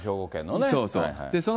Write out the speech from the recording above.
そうそう。